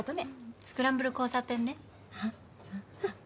スクランブル交差点ね。